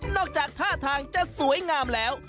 จากท่าทางจะสวยงามแล้ว